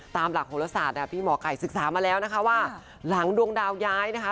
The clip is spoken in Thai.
ตามหลักโหลศาสตร์พี่หมอไก่ศึกษามาแล้วนะคะว่าหลังดวงดาวย้ายนะคะ